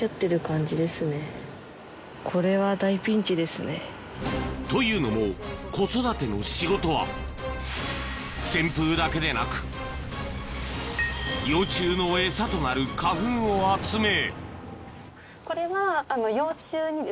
でもというのも子育ての仕事は扇風だけでなく幼虫のエサとなる花粉を集めこれは。